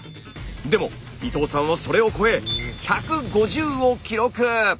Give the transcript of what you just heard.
でも伊藤さんはそれを超え１５０を記録。